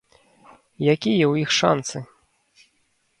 Якія ў іх шанцы?